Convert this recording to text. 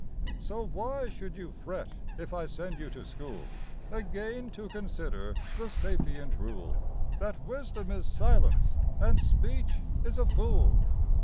So why should you fret if I send you to school Again to consider the sapient rule That Wisdom is Silence and Speech is a Fool.